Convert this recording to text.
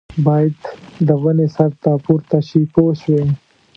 باید د ونې سر ته پورته شي پوه شوې!.